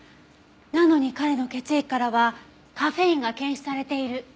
なのに彼の血液からはカフェインが検出されている。